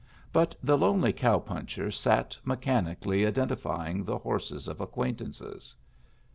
But the lonely cow puncher sat mechanically identifying the horses of acquaintances.